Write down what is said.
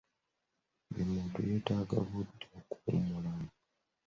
Buli muntu yeetaaga budde okuwummulamu.